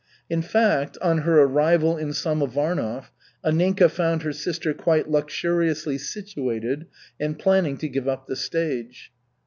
In fact, on her arrival in Samovarnov, Anninka found her sister quite luxuriously situated and planning to give up the stage.